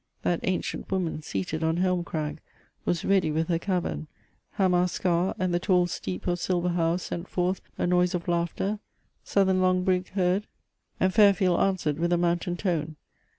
That ancient woman seated on Helm crag Was ready with her cavern; Hammar scar And the tall Steep of Silver How sent forth A noise of laughter; southern Lougbrigg heard, And Fairfield answered with a mountain tone.